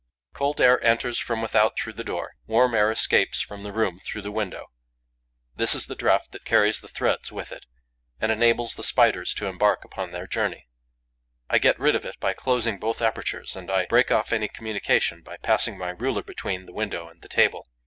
Cold air enters from without through the door; warm air escapes from the room through the window. This is the drought that carries the threads with it and enables the Spiders to embark upon their journey. I get rid of it by closing both apertures and I break off any communication by passing my ruler between the window and the table.